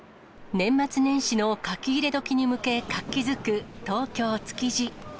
年末年始の書き入れ時に向け活気づく東京・築地。